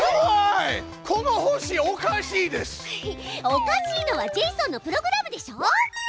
おかしいのはジェイソンのプログラムでしょ。